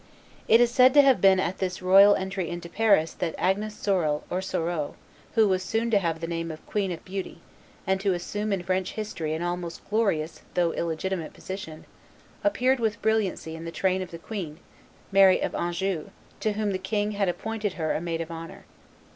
It is said to have been at this royal entry into Paris that Agnes Sorel or Soreau, who was soon to have the name of Queen of Beauty, and to assume in French history an almost glorious though illegitimate position, appeared with brilliancy in the train of the queen, Mary of Anjou, to whom the king had appointed her a maid of honor.